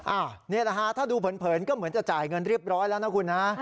อันนี้แหละฮะถ้าดูเผินก็เหมือนจะจ่ายเงินเรียบร้อยแล้วนะคุณฮะ